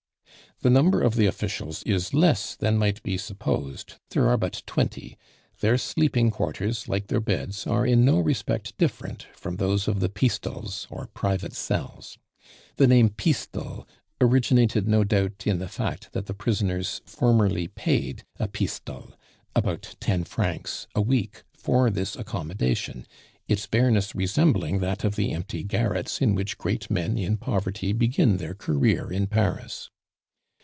The number of the officials is less than might be supposed; there are but twenty; their sleeping quarters, like their beds, are in no respect different from those of the pistoles or private cells. The name pistole originated, no doubt, in the fact that the prisoners formerly paid a pistole (about ten francs) a week for this accommodation, its bareness resembling that of the empty garrets in which great men in poverty begin their career in Paris.